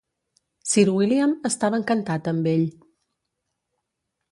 Sir William estava encantat amb ell.